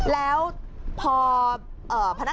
สาธุฟังแม่